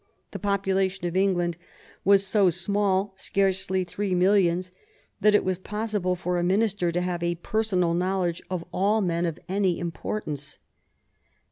The population of England was so small, scarcely three millions, that it was possible for a minister to have a personal knowledge of all men of any importance.